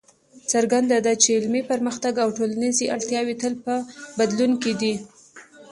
څرګنده ده چې علمي پرمختګ او ټولنیزې اړتیاوې تل په بدلون کې دي.